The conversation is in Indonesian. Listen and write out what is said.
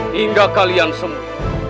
hingga kalian semua